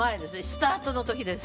スタートの時です。